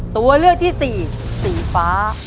ตัวเลือกที่สี่สีฟ้า